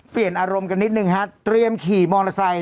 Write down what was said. เปลี่ยนอารมณ์กันนิดหนึ่งฮะเตรียมขี่มอเตอร์ไซค์